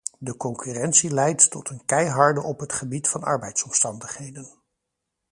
De concurrentie leidt tot een keiharde op het gebied van arbeidsomstandigheden.